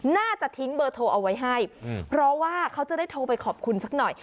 น่าจะทิ้งเบอร์โทรเอาไว้ให้เพราะว่าเขาจะได้โทรไปขอบคุณสักหน่อย